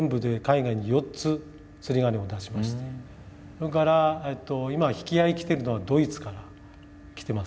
それから今引き合い来てるのがドイツから来てます。